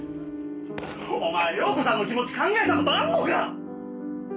お前容子さんの気持ち考えた事あるのか？